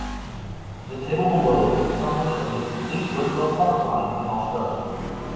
The table below is a summary of the complete Winfield product line in Australia.